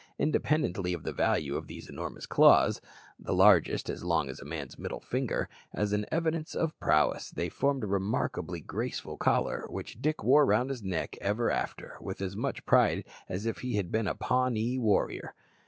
Independently of the value of these enormous claws (the largest as long as a man's middle finger) as an evidence of prowess, they formed a remarkably graceful collar, which Dick wore round his neck ever after with as much pride as if he had been a Pawnee warrior.